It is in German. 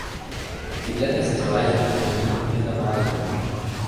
Die Blätter sind reich an Vitaminen und Mineralien.